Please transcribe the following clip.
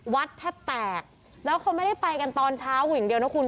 วัดแทบแตกแล้วเขาไม่ได้ไปกันตอนเช้าอย่างเดียวนะคุณ